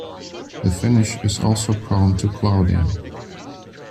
The finish is also prone to clouding.